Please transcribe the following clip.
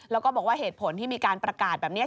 แล้วก็บอกว่าเหตุผลที่มีการประกาศแบบนี้